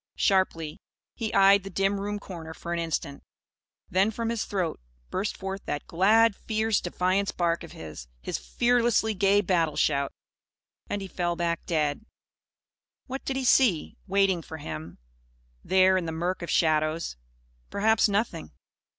Sharply, he eyed the dim room corner for an instant. Then, from his throat burst forth that glad, fierce defiance bark of his his fearlessly gay battle shout. And he fell back dead. What did he see, waiting for him, there in the murk of shadows? Perhaps nothing.